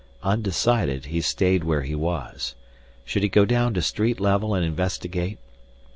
Undecided, he stayed where he was. Should he go down to street level and investigate?